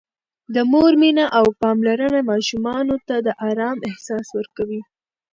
د مور مینه او پاملرنه ماشومانو ته د آرام احساس ورکوي.